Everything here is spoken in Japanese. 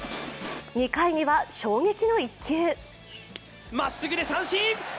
２回には、衝撃の一球。